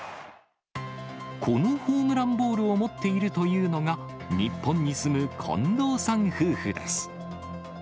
このホームランボールを持っているというのが、日本に住む近藤さん夫婦です。